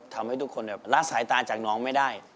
ทำให้ทุกคนละสายตาจากน้องไม่ได้